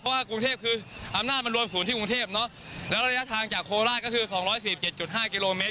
เพราะว่ากรุงเทพฯคืออำนาจมันรวมศูนย์ที่กรุงเทพฯเนอะแล้วระยะทางจากโคราชก็คือสองร้อยสิบเจ็ดจุดห้าเกโลเมตร